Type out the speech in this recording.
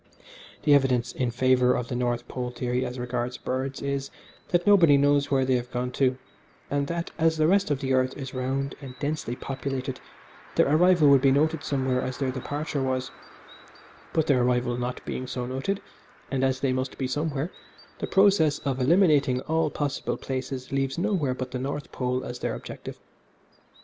The evidence in favour of the North Pole theory as regards birds is, that nobody knows where they have gone to, and that as the rest of the earth is round and densely populated their arrival would be noted somewhere as their departure was, but their arrival not being so noted, and as they must be somewhere, the process of eliminating all possible places leaves nowhere but the North Pole as their objective.